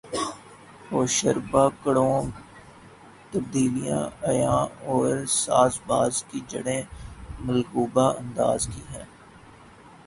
ہوشربا کڑوی تبدیلیاں عیاں اور سازباز کی جڑیں ملغوبہ انداز کی ہیں